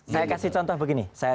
saya kasih contoh begini